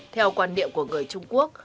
theo quan điểm của người trung quốc